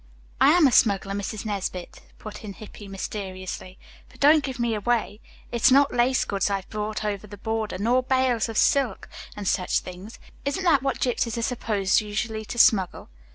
"I am a smuggler, Mrs. Nesbit," put in Hippy mysteriously. "But don't give me away. It's not lace goods I've brought over the border, nor bales of silk and such things. Isn't that what gypsies are supposed usually to smuggle?"